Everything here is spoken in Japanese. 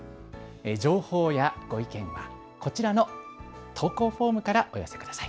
情報やご意見をこちらの投稿フォームからお寄せください。